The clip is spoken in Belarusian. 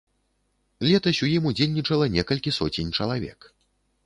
Летась у ім удзельнічала некалькі соцень чалавек.